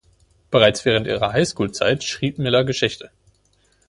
Bereits während ihrer Highschoolzeit schrieb Miller Geschichte.